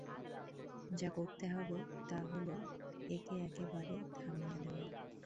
যা করতে হবে, তা হল একে একেবারে থামিয়া দেওয়া।